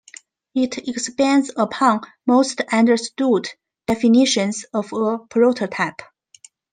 It expands upon most understood definitions of a prototype.